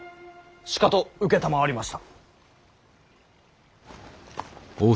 しかと承りました！